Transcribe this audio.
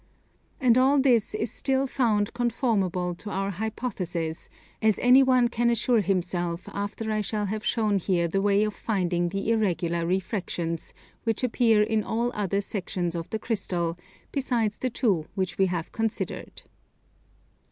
And all this is still found conformable to our hypothesis, as any one can assure himself after I shall have shown here the way of finding the irregular refractions which appear in all other sections of the crystal, besides the two which we have considered.